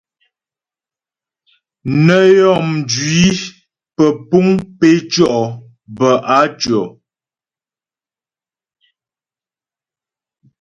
Nə́ yɔ́ mjwi pəpuŋ pé tʉɔ' bə á tʉɔ̀.